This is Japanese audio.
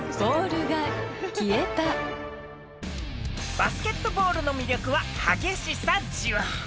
バスケットボールの魅力は激しさじわ。